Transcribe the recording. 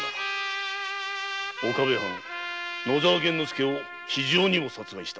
岡部藩野沢源之助を非情にも殺害した。